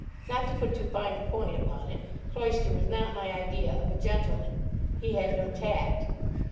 Not to put too fine a point upon it, Cloyster was not my idea of a gentleman. He had no tact.